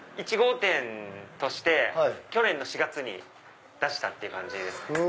１号店として去年の４月に出したっていう感じですね。